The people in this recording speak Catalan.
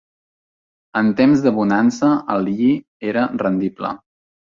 En temps de bonança el lli era rendible.